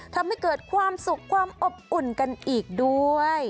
ทำให้เกิดความสุขความอบอุ่นกันอีกด้วย